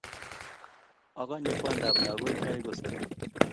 okonye kwandab lakochai koseru